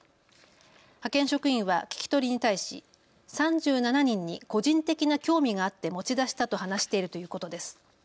派遣職員は聞き取りに対し３７人に個人的な興味があって持ち出したと話しているということです。